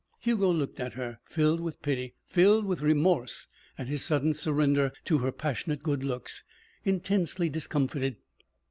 Hugo looked at her, filled with pity, filled with remorse at his sudden surrender to her passionate good looks, intensely discomfited.